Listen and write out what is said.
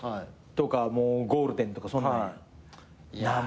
ゴールデンとかそんなんやん。